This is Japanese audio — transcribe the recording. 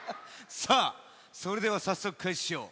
さあそれではさっそくかいししよう。